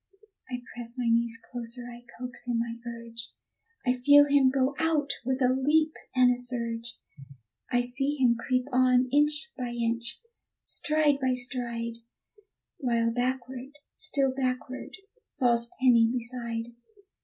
I press my knees closer, I coax him, I urge, I feel him go out with a leap and a surge; I see him creep on, inch by inch, stride by stride, While backward, still backward, falls Tenny beside.